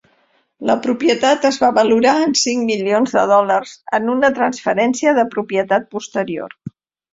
La propietat es va valorar en cinc milions de dòlars en una transferència de propietat posterior.